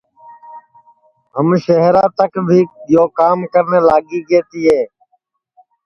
ہم شہرا تک بھی یو کام کرنے لاگی گے تیے